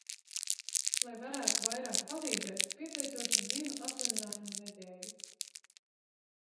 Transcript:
Lai varētu vairāk palīdzēt, pieteicos uz vienu atvaļinājuma nedēļu.